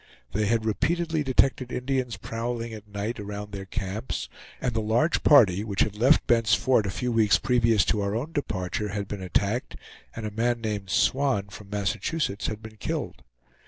They had repeatedly detected Indians prowling at night around their camps; and the large party which had left Bent's Fort a few weeks previous to our own departure had been attacked, and a man named Swan, from Massachusetts, had been killed.